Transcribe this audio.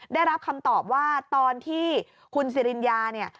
ได้รับคำตอบว่าตอนที่คุณสิริญญาเนี่ย